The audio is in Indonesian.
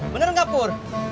bener gak pur